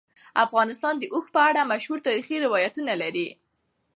افغانستان د اوښ په اړه مشهور تاریخی روایتونه لري.